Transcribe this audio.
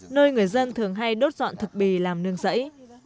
nơi người dân thường hay đốt dọn thực bì làm nương rẫy